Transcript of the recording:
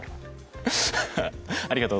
ありがとう